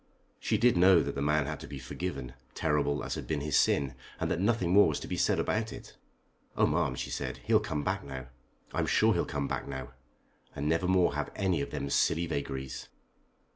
She did know that the man had to be forgiven, terrible as had been his sin, and that nothing more was to be said about it. "Oh, ma'am," she said, "he'll come back now! I'm sure he'll come back now, and never more have any of them silly vagaries."